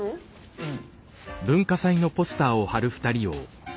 うん。